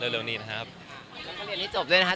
เร็วนี้นะครับแล้วภาพยนตร์นี้จบเลยนะฮะ